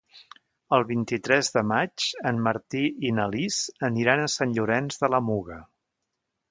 El vint-i-tres de maig en Martí i na Lis aniran a Sant Llorenç de la Muga.